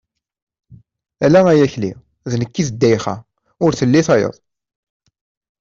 Ala ay Akli, d nekk i d Ddayxa, ur telli tayeḍ.